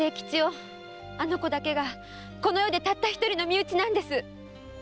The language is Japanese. あの子だけがこの世でたった一人の身内なんです。